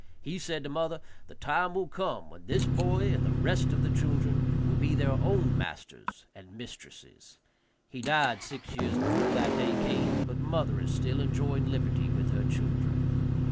He said to mother, "The time will come when this boy and the rest of the children will be their own masters and mistresses." He died six years before that day came, but mother is still enjoying liberty with her children.